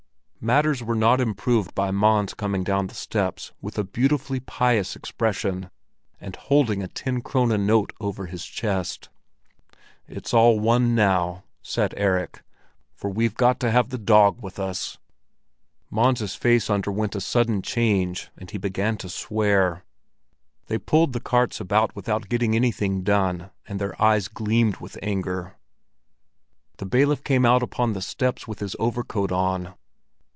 Matters were not improved by Mons coming down the steps with a beautifully pious expression, and holding a ten krone note over his chest. "It's all one now," said Erik; "for we've got to have the dog with us!" Mons' face underwent a sudden change, and he began to swear. They pulled the carts about without getting anything done, and their eyes gleamed with anger. The bailiff came out upon the steps with his overcoat on.